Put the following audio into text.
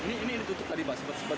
ini ditutup tadi pak